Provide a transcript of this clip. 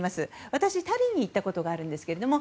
私、タリンに行ったことがあるんですけれども